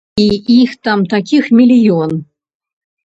І іх там такіх мільён!